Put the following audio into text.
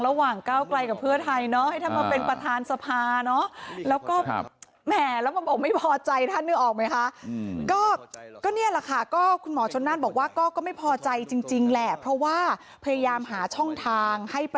ระหว่างเก้ากลายกับเมือไทย